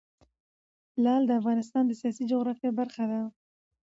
لعل د افغانستان د سیاسي جغرافیه برخه ده.